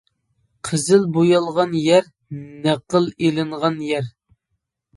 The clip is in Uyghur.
قىزىل بويالغان يەر نەقىل ئېلىنغان يەر.